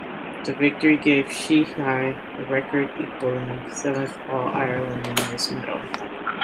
The victory gave Sheehy a record-equalling seventh All-Ireland winners' medal.